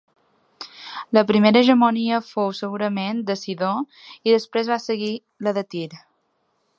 La primera hegemonia fou, segurament, de Sidó i després va seguir la de Tir.